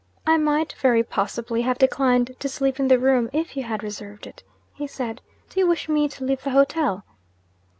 'I might, very possibly, have declined to sleep in the room, if you had reserved it,' he said. 'Do you wish me to leave the hotel?'